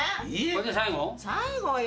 最後よ。